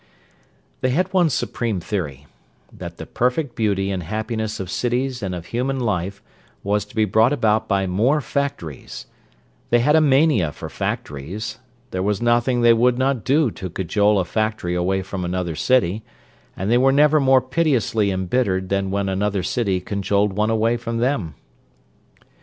They had one supreme theory: that the perfect beauty and happiness of cities and of human life was to be brought about by more factories; they had a mania for factories; there was nothing they would not do to cajole a factory away from another city; and they were never more piteously embittered than when another city cajoled one away from them.